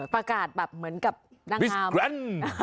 ประกาศแบบเหมือนกับนางงาม